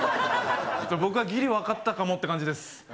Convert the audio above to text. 僕はぎり分かったかもって感じです。